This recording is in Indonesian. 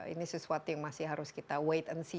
ini sesuatu yang masih harus kita tunggu